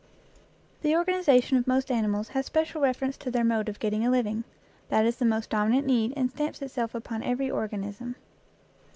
The organization of most animals has special reference to their mode of getting a living. That is the dominant need, and stamps itself upon every organism.